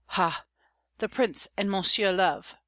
Ha! the Prince and Monsieur Love.